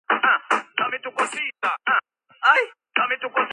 ბერძნებმა გადაწყვიტეს გამაგრებულიყვნენ თერმოპილეს გასასვლელში.